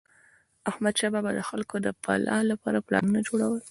احمدشاه بابا به د خلکو د فلاح لپاره پلانونه جوړول.